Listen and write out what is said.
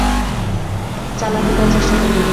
চালাকি করার চেষ্টা করবে না।